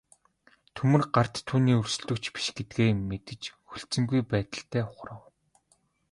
Төмөр гарт түүний өрсөлдөгч биш гэдгээ мэдэж хүлцэнгүй байдалтай ухрав.